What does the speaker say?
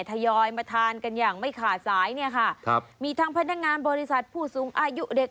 เคยะทายอยมาทานกันยังไม่ขาดสายเนี่ยค่ะมีทางพัฒนางานบริษัทผู้สูงอายุเด็ก